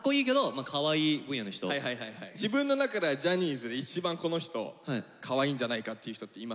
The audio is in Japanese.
自分の中ではジャニーズで一番この人かわいいんじゃないかっていう人っています？